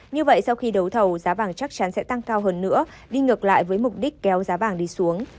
như vậy sau khi đấu thầu giá vàng chắc chắn sẽ tăng cao hơn nữa đi ngược lại với mục đích kéo giá vàng đi xuống